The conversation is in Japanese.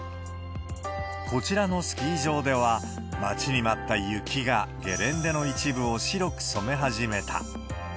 こちらのスキー場では、待ちに待った雪がゲレンデの一部を白く染め始めた。